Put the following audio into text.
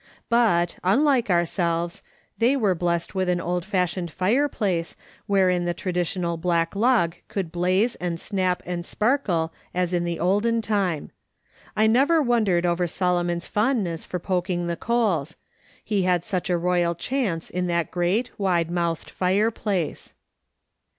But, unlike ourselves, they were blessed with an old fashioned fireplace, wherein the traditional black log could blaze and snap and sparkle as in the olden time. I never wondered over Solomon's fondness for poking the coals — he had such a royal chance in that great wide mouthed fireplace.